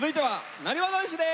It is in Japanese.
なにわ男子です。